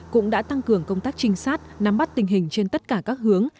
cũng đã tăng cường công tác trinh sát nắm bắt tình hình trên tất cả các hướng